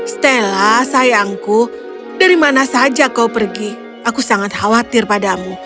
stella sayangku dari mana saja kau pergi aku sangat khawatir padamu